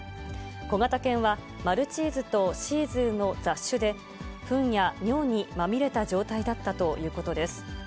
小型犬はマルチーズとシーズーの雑種で、ふんや尿にまみれた状態だったということです。